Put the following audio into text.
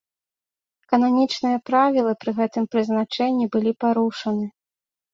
Кананічныя правілы пры гэтым прызначэнні былі парушаны.